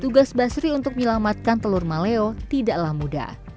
tugas basri untuk menyelamatkan telur maleo tidaklah mudah